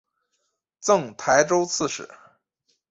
赠台州刺史。